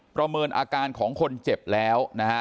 ประเมินอาการของคนเจ็บแล้วนะฮะ